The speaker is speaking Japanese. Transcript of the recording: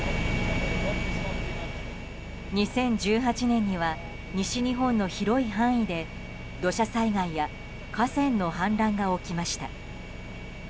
２０１８年には西日本の広い範囲で土砂災害や河川の氾濫が起きました。